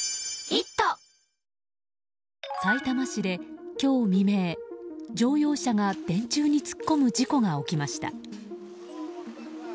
さいたま市で今日未明乗用車が電柱に突っ込む事故が起きました。